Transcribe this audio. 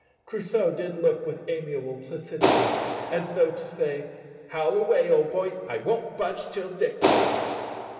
Crusoe did look with amiable placidity, as though to say, "Howl away, old boy, I won't budge till Dick does."